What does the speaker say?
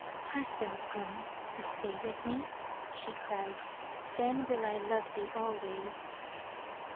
"Hast thou come to stay with me?*' she cried. "Then will I love thee always."